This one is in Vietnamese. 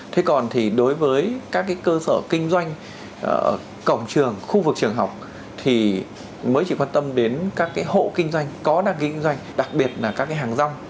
thế còn thì đối với các cái cơ sở kinh doanh cổng trường khu vực trường học thì mới chỉ quan tâm đến các cái hộ kinh doanh có đăng ký kinh doanh đặc biệt là các cái hàng rong